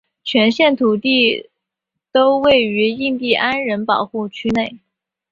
全县土地都位于印地安人保护区内。